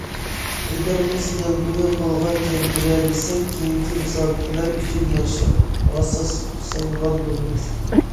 ئەگەر بىز غەلىبىنى قولغا كەلتۈرەلىسەك، كېيىنكى مۇسابىقىلەر ئۈچۈن ياخشى ئاساس سالغان بولىمىز.